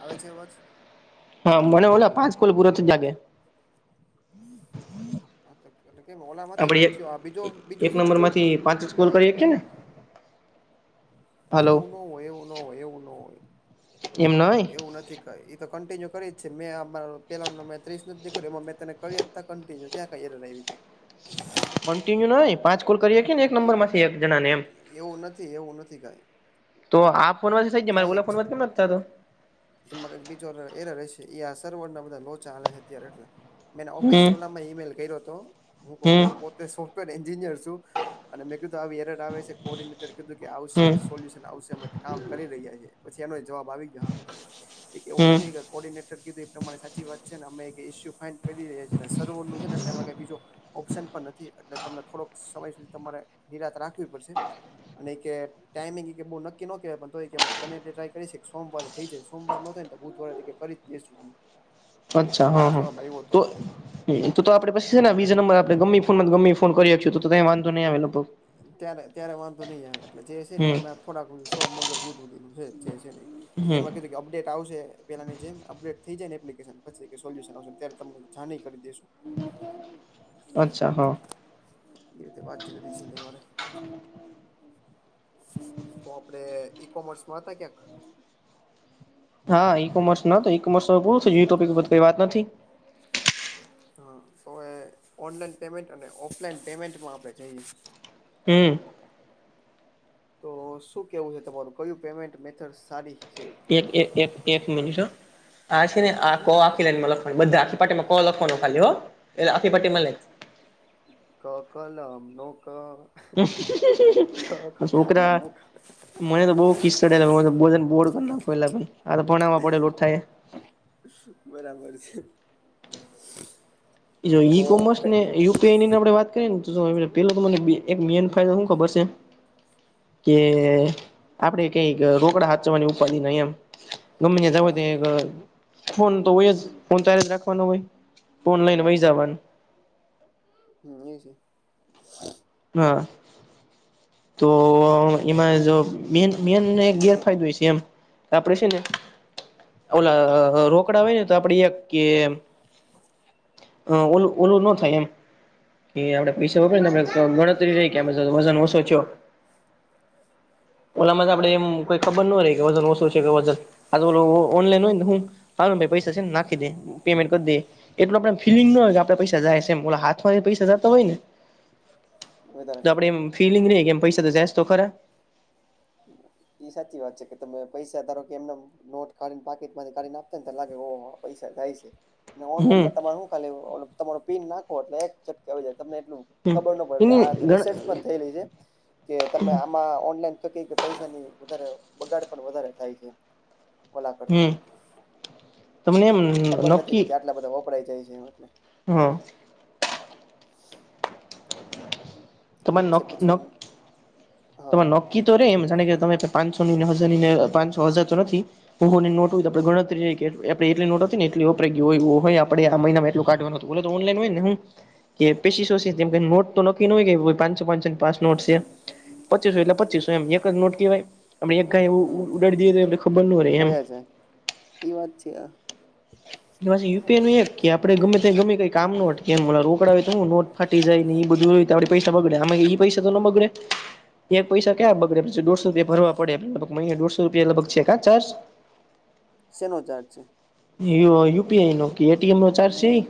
આવે છે અવાજ? હા મને ઓલા પાંચ કોલ પુરા. [unintelligible] હા તે એટલે કેમ ઓલા માંથી નથ થયો, આ બીજો બીજો સે ને આ તો? પાચ જ કોલ કરી હકે ને? હલો એવું નો હોય, એવું નો હોય, એવું નો હોય, એમ નહી એવું નથી. ઈ તો કન્ટિન્યુ કરી જ છે, મેં અમાર પેલા નો મે ત્રીસ નથ [unintelligible] એમાં મેં તને કર્યાં જ તા કન્ટિન્યુ ક્યાં [unintelligible] આયવી તી? કન્ટિન્યુ નહીં, પાંચ કોલ કરીએ ને એક નંબર માંથી એક જણા ને એમ. એવું નથી, એવું નથી કાંઈ. તો આ ફોનમાંથી થઈ જાય, મારા ઓલા છે ફોનમાંથી કેમ નથ થાતો? એમાં કૈક બીજો એરર હયશે, એ આ સર્વર ના બધા લોચા હાલે હે અત્યારે એટલે. મે એને હમ ઓફિશ્યલ નામે ઈમેલ કર્યો તો, હું પ હું હમ પોત તે સોફ્ટવેર એન્જિનિયર સું, અને મે કીધું આવી એરર આવે છે, કોર્ડિનેટરે કીધું કે આવશે જ, હમ સોલ્યુ આવશે, અમે ટ કામ કરી રહ્યા છી, પછી એનોય જવાબ આવી ગયો હામેથીન, ઈ કે એવું હમ નથી ઈ કે કોર્ડિનેટર કીધું એ પ્રમાણે હાચી વાત છે, ને અમે ઈ કે ઈસ્યુ ફાઈન્ડ કરી રહ્યા છી, અને સર્વરનું છે ને એટલે એમાં કાંઈ બીજો ઓપ્શન પણ નથી, એટલે તમને થોડોક સમય સુધી તમારે નિરાત રાખવી પડશે. અને ઈ કે ટાઈમિંગ ઈ કે બહુ નક્કી નો કેવાય પણ તોય ઈ કે અમે બને એટલી ટ્રાય કરી શી કે સોમવારે થઈ જાય, સોમવાર ન થાય, તો બુધવારે તો ઈ કે કરી જ દેશું અમે. અચ્છા, એવો એનો હા, હા. જવાબ આવ્યો હતો તો ઈ તો-તો આપડે પછી છે ને વિજા નંબર આપણે ગમેય ફોન માં ગમે ફોન કરી હકીએ, તો-તો કાંઈ વાંધો નહી આવે લગભગ ત્યારે-ત્યારે વાંધો નઈ આવે, એટલે જે સે ને હમ અમે થોડાક સોમ, મંગળ, બુધ હુધી નું છે, જે છે ને ઈ. એ કે હમ એમાં કેરેક કે અપડેટ આવશે, પેલાની જેમ અપડેટ થઈ જાય ને એપ્લિકેશન, પછી ઈ કે સોલ્યુશન આવશે, ત્યારે તમને જાન એય કરી દેસું. અચ્છા, હા. એવી રીતે વાતચીત હતી છેલ્લે અમારે. તો આપડે ઈ કોમર્સમાં હતા ક્યાંક. હા ઈ કોમર્સ નતો, ઈ કોમર્સ તો હવે પૂરું થઈ ગયું, ઈ ટોપિક પર તો કાંઈ વાત નથી. હા તો એ ઓનલાઈન પેમેન્ટ અને ઓફલાઈન પેમેન્ટમાં આપણે જઈએ. હમ્મ. તો શું કેવું છે તમારું? કયું પેમેન્ટ મેથડ સારી છે? એક-એક-એક-એક મિનિટ હો, આ છે ને આ તો આખી લાઈન મતલબ બધા આખી પટી માં ક લખવાનું ખાલી હો, એટલે આખી પટી માં લઈખ ક કલમ નો ક. ખ તો ખટારા સોકરા નો ખ મને તો બોવ કિસ ચડેલા ભોજન બોડ કર નાખ પેલા આ ભઈ, આ ભણાવા પડે રોજ થાય. બરાબર છે. ઈ જો તો ઈ કોમર્સ કઈ ને યુ તચ એનીન આપણે વાત કરીએને તો-તો પેલો [unintelligible] એક મેન ફાયદા હું ખબર સે? કે આપડે કંઈક રોકડા હાચવાની ઉપાધી નહીં એમ. ગમે હા ત્યાં જાવું હોય, તયે એક ફોન તો હોય જ, ફોન તો હારે જ રાખવાનો હોય. વઈ જાવાનું. હમ્મ ઈ છે. હા. તો એમાં જો મેન-મેનને એક ગેરફાયદોય સે એમ. આપડે સે ને, ઓલા રોકડા હોય ને તો આપણે એક કે એમ અહ ઓલું-ઓલું નો થાય એમ. કે આપડે પૈસા વાપરી ને આપડ ગણતરી ર કેમે વજન ઓછો છો. ઓલામાં તો હા આપડે એમ કોઈ ખબર નો રયે કે કોઈ વજન ઓસો સે કે વજન આતો ઓલો ઓનલાઈન હોય ને હું, ચાલો ને ભઈ પૈસા સે ને નાખી દેય, પેમેન્ટ કર દેય. એટલે આપણે ફલિંગ ન હોય કે આપણે પૈસા જાય સે એમ, ઓલા હાથમાંથી પૈસા જતા હોય ને વધારે તો આપડે લાગે. એમ ફિલિંગ રે કે એમ પૈસા તો જાસ્તો ખરા. ઈ સાચી વાત છે કે તમે પૈસા ધારો કે એમ નેમ નોટ કાઢીને પાકેટમાંથી કાઢીને આપતા ને લાગે ઓ હો પૈસા જાય છે. ને હમ ઓનલાઈનમાં તમારે હું ખાલી ઓલું પીન નાખો એટલે એક ચટકે આવી જાય તમને એટલું હમ ખબર ન પડે એટલે એની આ ગણ રિસર્ચ પણ થયેલી છે કે તમે આમાં ઓનલાઈન તો કે કે પૈસાની વધારે બગાડ પણ વધારે થાય છે. ઓલા કરતા હમ્મ તમને એમ. ખબર નથી નક્કી રેતી આટલા બધા વપરાઈ જાય છે એમ એટલે. હા. એજ તમારે છે નખ ન પછી એમ. હા તમારે ન કી તો રે એમ જાણે કે તમે પાંચસો ની ને હજાર ની ને પાંસો હજાર તો નથી. હું હું ની નોટ હોય તો આપડ ગણતરીઈ કે આપ એટ નો હતી ને એટલલી વપરાઈ ગય હોય આપણે આ મહિનામાં એટલુ કાઢવાનું ઓલો તો ઓનલાઈન હોય ને હું કે પેશી શો નોટ તો નક્કી ન હોય કે પાન્સો પાન્સો ની પાચ નોટ સે. પચીસો એટલે હા પચીસો એમ એક જ નોટ કેહવાય આપ એક ગાય એ હમ ઉડડી દી એ ખબર ન રે એમ. ઈ વાત છે આ. ને પાછું યુ પી એ નું એક કે આપડ ગમે ત્યા ગમે કઈ કામ ન અટ કે એમ રોકડા હોય તો હું નોટ ફાટી જાય ને ઈ બધું હોય તો આપડા પૈસા બગડે આ એ પૈસા તો ના બગડે. એક પૈસા કયા બગડે પછ દોઢસો રૂપિયા ભરવા પડે લગભગ મહિને દોઢસો રૂપિયા લગભગ છે કા ચાર્જ? સેનો ચાર્જ છે? યુ પી આઈ નો એ ટી એમ નો ચાર્જ છે ઇ?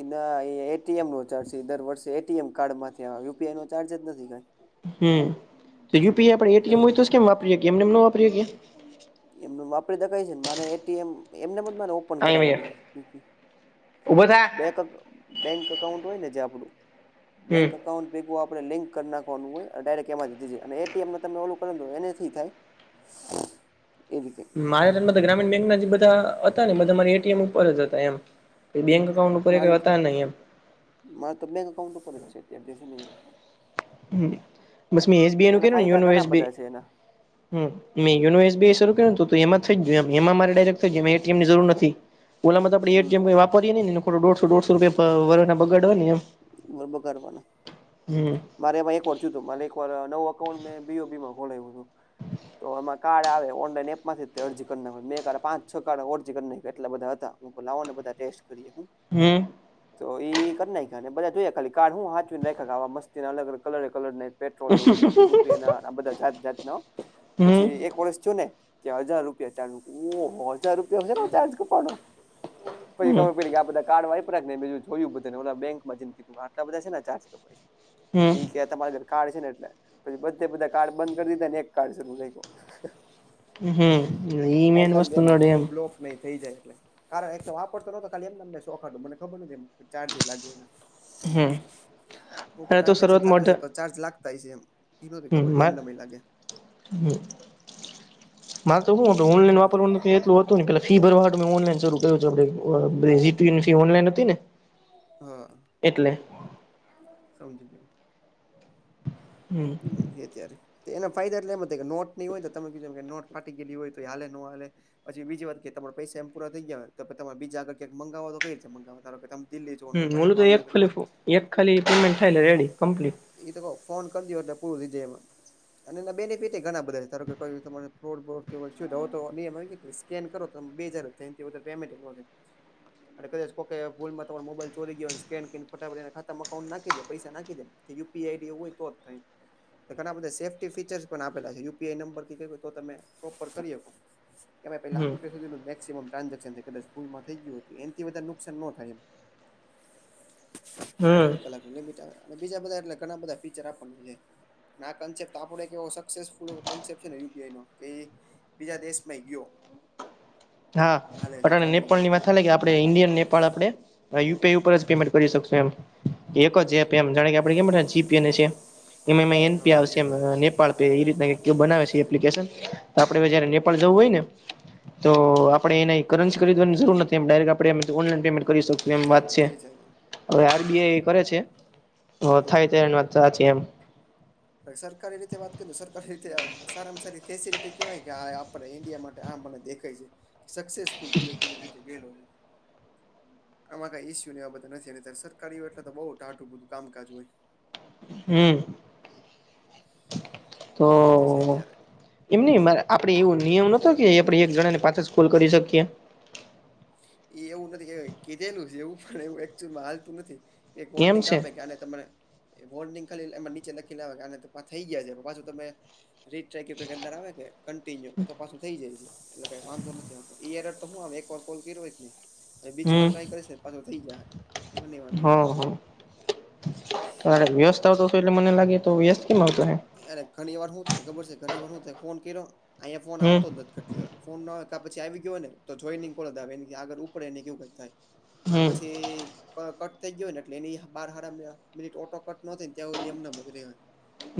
એ ના એ એ ટી એમ નો ચાર્જ છે એ દર વર્ષે એ ટી એમ કાર્ડ માંથી યુ પી આઈ ચાર્જ જ નથી કાઈ. હમ્મ તો યુ પી આઈ આપડે એ ટી એટલે એમ હોય તો જ કેમ એમ નેમ ના વાપરી હકીએ? એમનુંમ વાપરી જ હકાઈ છે ને મારે એ ટી એમ એમ નેમ જ મારે ઓપન અહીંયા કરાવેલું છે યુ પી ઉભો થા બે બેંક અકાઉન્ટ હોય ને જે આપણું? બેંક હમ અકાઉન્ટ ભેગું આપણે લિંક કરી નાખવાનું હોય અન ડાયરેક એમાથી થઈ જાએ અને એ ટી એમમાં તમે ઓલું કરો તો એનેથી એ થાય. એવ રીતે. મારે [unintelligible] ગ્રામીણ બેંક ના જે બધા હતા ને બધા મા એ ટી એમ ઉપર જ હતા એમ. પઈ બેક અકાઉન્ટ ઉપર કઈ મારું તો હતા નઈ એમ. મારે તો બેંક અકાઉન્ટ ઉપર જ છે તેબ દજે ને એક. હ બસ મેં એસ બી આઈ નું કે એટલે ને યો ફાયદા ન ઘણા એસ બી બધા છે એના હ મેં યુનો એસ બી આઈ શરૂ કર્યું તો એમાં થઈ ગ્યું એમ એમાં ડાયક્ટ થઇગુ એમાં એ ટી એમની જરૂર નથી. ઓલામાં તો આપણે એ ટી હમ એમ કઈ વાપરીએ ને દોઢસો દોઢસો રૂપિયાના વરના બગાડ ને એમ. વર વગારવાના. હમ મારે એવા એક વાર થયું તું, મારે એક વાર નવું અકાઉન્ટ મેં બી ઓ બીમાં ખોલાઇવુ તું. તો એમાં કાર્ડ આવે ઓનલાઈન એપમાંથી અરજી કર નાખ, મે કારડ પાંચ છ કાર્ડ અરજી કરી નાઇખા એટલા બધા હતા. મુકો લાવોને બધા ટેસ્ટ કરીએ હું? હમ્મ. તો ઈ કર નાઈખા ને બધા જોયા ખાલી કાર હું સાંચવીને રાઈખા તા આવા મસ્તી ના અલગ અલગ કલર એ કલર ને પેટ્રોલ નું ને રૂપિયા ના આ બધા જાત જાતના હો, પછી હમ એક વર્ષ થયું ને ત્યાં હજાર રૂપિયા ચાલ ઓ હો હજાર રૂપિયા હશે ચાજ કપાણો? પછી ખબર પઇડી કે આ બધા કાર્ડ વાઈપરા ને બીજુ જોયું બધાને ઓલા બેંકમાં જઈન કી વુ આટલા બધા સેના ચાર્જ કપાઈ છે? હમ તો ઈ કે તમારા ઘરે કાર્ડ છે ને એટલે પછી બધે બધા કાર્ડ બંધ કરી દીધા ને એક કાર્ડ શરૂ રાઈખો. હમ્મ ઈ ને એની વસ્તુ નડે એમ. ના થઈ જાય એટલે કારણ એક તો વાપરતો નહતો ખા એમને શોખાડું મને ખબર નથી ચાર્જ લાગી એના. હમ હું કો અરે તો ટ્રાન્ઝેક્શન શરૂઆતમાં થાતું અઢાર હસે તો જ ચાર્જ લાગતા હૈસે એમ એ નતી ખબર કે એમ નેમ એ લાગે. હમ્મ. મારે તો શું હતું ઓનલાઈન વાપરવાનું તો એટલું હતું ને પે ફી ભરવા હાટુ મેં ઓનલાઈન શરૂ કર્યું છેે. [unintelligible] તી ઓનલાઈન હતી ને. હા. એટલે. સમજી ગયું. હમ્મ. એ ત્યારે તો એના ફાયદા એટલે એમ કે નોટ નહીં હોય તો તમે કું છે કે નોટ ફાટી ગયેલી હોય તો એ હાલે નો હાલે પછી બીજી વાત કે તમારો પૈસા એમ પૂરા થઈ ગયા ને કે પહે તમારે બીજા આગ ક્યાકં માંગવો તો કઈ રીતે મંગાવવો ધારો કે તેમ દિલ્હી જો હમ ઓલું તો એક ભાવનગર ખાલી હોય એક ખાલી કે પેમેન્ટ થાયલે રેડી કમ્પ્લીટ ઈ તો કો ફોન તબ દિયા તા પૂરથી જેમાં. અને એના બેનિફિટ એ ઘણા બધા ધારો કે તમારે ફ્રોડ બ્રોડ કે વચ્ચે જાઉં કે નહીં એમાં એ કેસ સ્કેન કરો તો બે હજાર થાય ને વધારે પેમેન્ટ નો થાય. અને કદાચ કોઈ ભૂલમાં તમારો મોબાઈલ ચોરી ગયો ને સ્કેન કરીને ફટાના માં કઉન્ટ નાખીે પૈસા નાખીદે તે યુ પી આઈ ડી હોય તો જ થાય. એ ઘણા બધા સેફ્ટી ફીચર્સ પણ આપેલા છે યુ પી આઈ નંબર આપે તો તમે પ્રોપર કરી શકો. એમાં પે લાખ હમ રૂપયા સુધીનું મેક્સિમ ટ્રાઝેશન થાય કદાચ ભૂલ માં થઈ ગયું એથી બધા નુકસાન ન થાય એમ. હમ ચોવી કલાકની લિમિટ આવે અને બીજા બધા એટલે ઘણા બધા ફીચર આપ ભલે. અને આ કન્સેપ્ટ આપડે કેવો સક્સેસફુલ કન્સેપ્ટ છે ને યુ પી આઈ નો કે બીજા દેશમાં ગીયો. હા, પટાને નેપળ ની ટ્રેન્ડિંગમાં વાત અલગ એ આપ આપડે ઈન્ડિયન નેપાળ આપડે અહ યુ પી આઈ ઉપર જ પેમેન્ટ કરી શકશું એમ. એક જ હમ એમ જા કે આપ કેમ જી પી આઈ ની છે. એમાં એન પી હા આવશે એ તો નેપાળ પે એ રીના બનાવે છે એપ્લિકેશન. ટનઆપડે જયારે નેપાળ જવું હોય ને તો હમ આપડે એનેની કરન્સી ખરીવાની જરૂર નથી એમ ડાયરેક્ટ આપડે ઓનલાઈન પેમેન્ટ કરી શકીએ એમ વાત છે. થઈ જાય હવે આર બી આઈ કરે છે તો હમ થાય તો વાત સાચી એમ. તો એ સરકારી રીતે વાત કરી સરકારી રીતે સારામાં સારી ફેસિલિટી કેવાય કે આ આપે ઇન્ડિયા માટે આ મળે દેખાય છે કે સક્સેસફુલ પૂરેપૂરી રીતે ગેલો હૈ. આમાં કઈ ઇસ્યુ એ આ બધા નથી નહીં યાર સરકારી હોય એટલે તો બહુ ટાટું બધું કામકાજ હોય. હમ્મ, તો એ રીતે છે ઓ અત્યારે એમ નહીં મારે આપડે એવો નિયમ નોતો આપડે એક જણા ને પાચજ કોલ કરી શકીએ? એ એવું નથી કીધેલું છે એવું પણ એવું એકચઅમાં હાલતું નથી. એ એમ વાર્નિંગ છે આપે કે આને તમને એ વાર્નિંગ ખાલી એમાં નીચે લખી લાવ થઈ ગયા છે પાછું તમે રીટ ટ્રેકંગ પેગ અંદર આવે કે કન્ટિન્યુ તો પાછું થઈ જાય છે એટલે કઈ વાંધો નથી આવતો. ઈ એરર તો હું આમ એક વાર કોલ કર્યો હોયને કે નહીં હ બીજી વાર હમ ટ્રાય કરીશ ને પાછો થઈ જાય એમાં નહી વાંધો આવે. તમારે વ્યસ્ત આવતો હતો એટલે મને લાગે તો વ્યસ્ત કેમ આવતો હે અરે ઘણી વાર શું થાય ખબર છે ઘણી વાર શું થાય ફોન કર્યો અહીંયા ફોન હમ આવતો જ નથી કેટલી વાર. ફોન ના હોય પછી આવી ગયો હોને તો જોઈ કો આવે આગડ ઉપડે નહીં એવું કઈક થાય. એટલે હમ પછી ક-કટ થઈ ગયો હો ને એટલે એની બાર હાર મિનિટ ઓટો કટ ન થી ત્યાં સુધી એમ ને એમ રહે.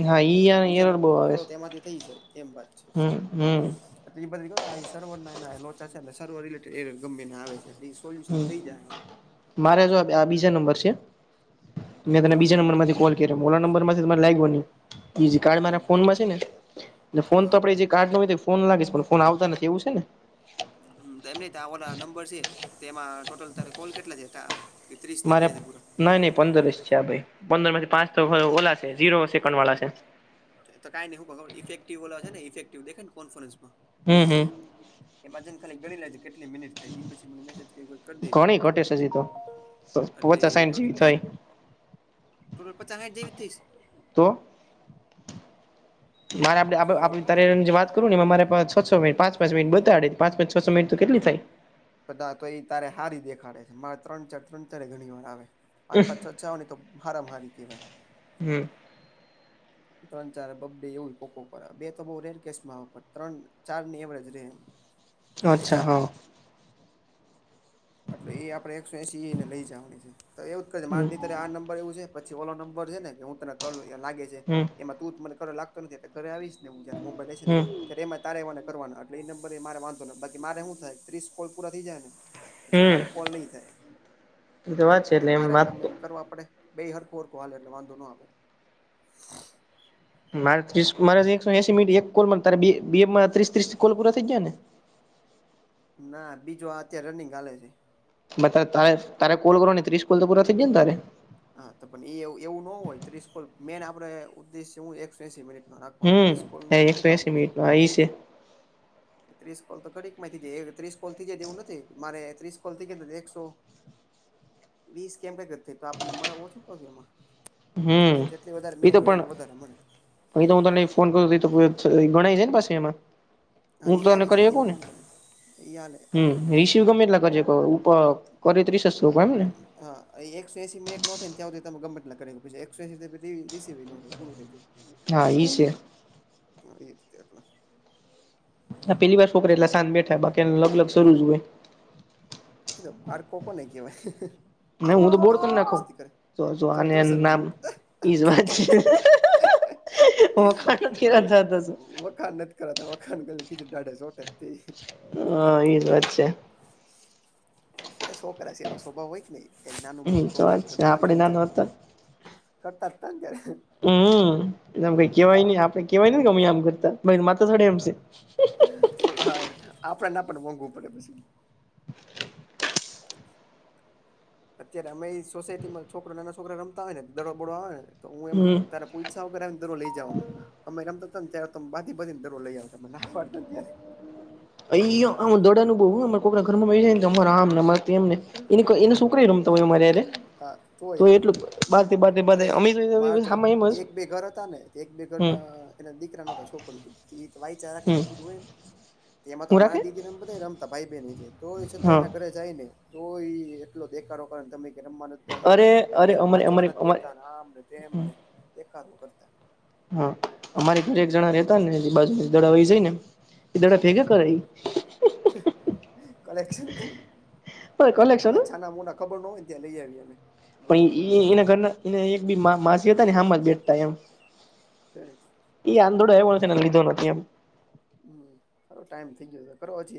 હા ઈ એટલે બીજા એરર બહુ નંબરમાંથી આવે કરો છે તો એમાંથી થઈ જાય એમ વાત. હમ હમ અટલી બધી કઉં આઈ એ સર્વરના ને એના લોચા છે એટલે સર્વર રિલેટેડ એરર ગમે એને આવે છે. એ સોલ્યુશન હમ થઈ જાએ હવે. મારે જો આ બીજા નંબર છે. મેં તને બીજા હમ નંબર માંથી કોલ કર્યો ઓલા નંબર માથી મને લાઈગો નહીં બીજી કાર્ડ મારા હમ ફોન માંજ છે ને ને ફોન તો હા આપડે જે કાઢ ન હોય ફોન લાગે પણ ફોન આવતા નથી એવું છે ને. હમ્મ, તેમ નહીં તા ઓલા નંબર છે તેમાં ટોટલ તારા કોલ કેટલા જ્યાં તા? કે ત્રીસ થઈ મારે ગયા છે પૂરા? નઈ નઈ પંદર જ છે આ ભાઈ પંદરમાંથી પાંચ તો ઓલા છે ઝીરો સેકન્ડ વાળા છે. ઈતો કાઈ ની હું કઉં ખબરે ઈફેક્ટિવ ઓલા છે ને ઇફેક્ટિવ દેખાયને કોન્ફરન્સમાં હમ હમ એમાં જઈને ખાલી ગણી લેજે કેટલી મિનિટ થાય છે ઈ પછી મને મેસેજ કરવો હોય તો કર દેજે. ઘણી ઘટે છે હજી તો એટલે પચાસ સાઈઠ જેવી ટોટલ એ થઈ ટોટલ પચા હાઈઠ જેવી થઈસ. તો મારે આપણે આપ તો આપ તારી જેમ વાત કરું ને મારે એમાં પ છ છ મિનિટ પાંચ પાંચ મિનિટ બતાડે તો પાંચ પાંચ છ છ મિનિટ તો કેટલી થાય? બધા તો એ તારે હારી દેખાડે છે મારે ત્રણ ચાર ત્રણ ચારે ઘણી વાર આવે પાંચ પાંચ છ છ આવેને તો હારામાં હારી કેવાય. હમ ત્રણ ચારે બબ્બે એવું એ કોક કોક વાર આવે બે તો બહુ રેર કેસમાં આવે પણ ત્રણ ચારની એવરેજ રે એમ. અચ્છા હહ. એટલે એ આપણે એકસો એસી એને લઈ જાવાની છે તો એવું જ કર જે હમ મારે અતારે આ નંબર એવું છે. પછી ઓલો નંબર છે ને કે હું તને કરું લાગે છે હમ એમાં તું મને કર લાગતો નથી આપે ઘરે આવીશ ને હું જ્યારે મોબાઈલ હશે ને ત્યારે એમાં એ તારે મને કરવાનો એટલે ઈ નંબર એ મારે વાંધો નથી બાકી મારે હું થાય ત્રીસ કોલ પૂરા થઈ જાય ને પછી હમ મારે કોલ નહી થાય. એ તો વાત છે એટલે તારે ગમે વાત એમ કરવા પડે બેય હરખું હરખું હાલે એટલે વાંધો નો આવે. મારે ત્રીસ મારે તો એકસો એસી મિનિટ એક કોલમાં ને તારે બે બેમા ત્રીસ ત્રીસ કોલ પૂરા થઈ ગયા ને? ના બીજો આ અત્યારે રનિંગ હાલે છે. મતલબ ત્રણે તારે કોલ કરો ને ત્રીસ કોલ તો પૂરા થઈ ગયા ને તારે? હા તો પન એ એવું ન હોય ત્રીસ કોલ મેઈન આપણે ઉદ્દેશ્ય હું એકસો એશી મિનિટનો રાખ હમ હા એકસો એસી મિનિટનો હા ઈસે. ત્રીસ કોલ તો ઘડીકમાં એ થઈ જાય એક ત્રીસ કોલ થઈ જાય તો એવું નથી મારે ત્રીસ કોલ થઈ ગયા તે તો એકસો હ. વીસ કેમ [inaudible] થઈ તો આપણને મળે ઓછું પગ એમાં. હમ જેટલી વધારે એ તો મિનિટ હોય પણ એનુ વધારે મળે. તો ઈતો હું તને ફોન કરું તો ઈતો ગણાય જાયને પાછું એમાં? હા હું એ તને આવી કરી જાય હકુ એમાં ને વાંધો નહી એ હાલે હમ ઈજ તું ગમે એટલા કર હક ઉપ કરી ત્રીસ શકું એમને? હા એ એકસો એસી મિનિટ નો થાય ને ત્યાં હુધી તમે ગમે એટલા કરી હકો પછી એકસો એસી થાય પછી રીસીવે નો થાય પૂરું થઈ જાય. હા ઈ સે. હા ઈજ તે એટલે. આ પેલીવાર છોકરા એટલા સાંજ બેઠા બાકી આની લબલબ શરૂ જ હોય. એ તો બાળકો કોને કહેવાય તોફાન કરે, મોજ મસ્તી કરે. જો કહું જો છું [inaudible] શરૂ નામ કર્યું ઈજ વાત છે. આગે વખાણ નથી કરાતા વખાન કરેલી ખીચડી દાઢે ચોટે જ તે. હા ઈજ વાત છેે. એ છોકરા છે એનો સ્વભાવ હોય ને એનું નાનું હમ મોટું તો વાત તોફાન છે કરવું, આપડે હળીહંચા નાના હતા કરવાનું. કરતા જ તાને ત્યારે. હમ એટલેમ કઈ કેવાય નહ, આપડે કેવાય નથી ગમ આમ કરતા માતે ચડે એમ છે. હા તો તો હા આપડને પણ મોંઘવું પડે પછી. અત્યારે અમે એ સોસાયટી માં છોકરો નાના છોકરા રમતા હોય ને દડોબડો આવે ને તો હું એમ હમ તારા પૂછ્યા વગર આવીને દરો લઈ જાવાનો અમે રમતા તાને ત્યારે તો અમે ભાગી ભાગીને દરો લઈ આવતા અમે ના પાડતા ને ત્યારે અહીંયા આમ દડાનું બઉ હહ અમારે કોકના ઘરમાં વહી જાય ને તો અમારે આમને અમારે તેમને હહ એની કોઈ એની સોકરી એ રમ હમ હા હોય. બાધે બાધે અરે અમારે તો એક બે ઘર હતા ને એક બે હમ ઘરમાં. એ દીકરા ન છોકરી ધ [inaudible] એ વા રાખી ને હમ એવ બધું હોય ને એમાં તો હું રાખે અમારા દીદીને ન રમતા ભાઈ બેન છે તો છતાં હા એના ઘરે જાય ને તો એ એટલો દેખો કર તમે રમવા અરે અરે અમારે વાંચવા અમારે નથી જ અમારે દેખતામને તેમને દેખા કરતા હા અમારી ઘરેક જણા રહેતા ને એ બાજુ દડા વાઈ જાય ને એ દડા ભેગા કરાઈ. કલેક્શન કરી, પણ અમે કલેક્શન ચાના મુના ખબર ન હોય ત્યાં લઈ આવી એ. પણ એના ઘરના એ એક બી માસી હતા ને હમાં જ બેઠતા એમ. ઠ. એ આંધો એ છે ને લીધો નથી એમ. હમ સારો ટાઈમ થઇ ગયો, કરો હજી એક.